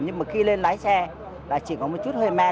nhưng mà khi lên lái xe là chỉ có một chút hơi men